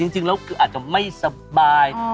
จริงแล้วคืออาจจะไม่สบาย